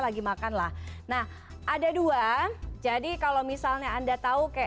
lagi makanlah nah ada dua jadi kalau misalnya anda tahu kayak